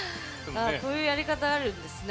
こういうやり方あるんですね。